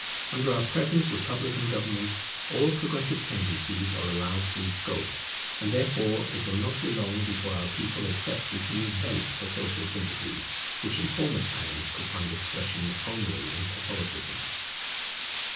Under our present republican government all progressive tendencies are allowed free scope, and therefore it will not be long before our people accept this new vent for social sympathies, which in former times could find expression only in Catholicism.